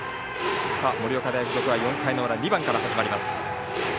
盛岡大付属は４回の裏２番から始まります。